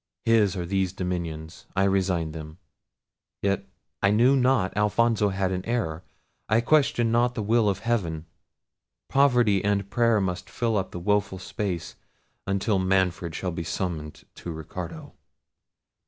His are these dominions; I resign them—yet I knew not Alfonso had an heir—I question not the will of heaven—poverty and prayer must fill up the woeful space, until Manfred shall be summoned to Ricardo."